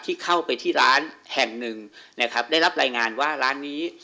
ที่เข้าไปที่ร้านแห่งหนึ่งนะครับได้รับรายงานว่าร้านนี้